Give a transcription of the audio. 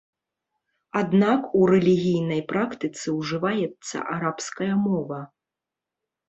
Аднак, у рэлігійнай практыцы ўжываецца арабская мова.